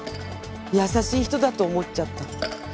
優しい人だと思っちゃった。